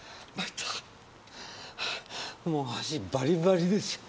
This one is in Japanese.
もう足バリバリですよ。